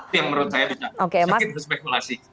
itu yang menurut saya sudah sakit berspekulasi